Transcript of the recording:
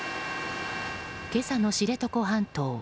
今朝の知床半島。